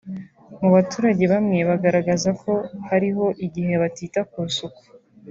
Mu baturage bamwe bagaragazaga ko hariho igihe batita ku isuku